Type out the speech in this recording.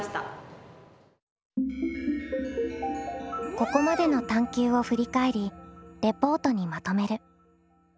ここまでの探究を振り返りレポートにまとめる。